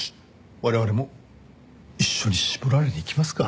我々も一緒に絞られに行きますか。